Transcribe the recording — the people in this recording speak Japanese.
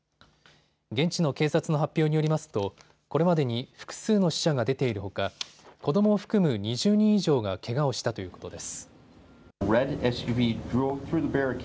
現地の警察の発表によりますとこれまでに複数の死者が出ているほか子どもを含む２０人以上がけがをしたということです。